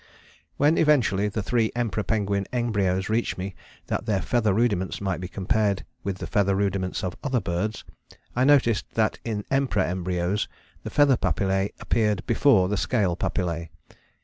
"When eventually the three Emperor Penguin embryos reached me that their feather rudiments might be compared with the feather rudiments of other birds, I noticed that in Emperor embryos the feather papillae appeared before the scale papillae.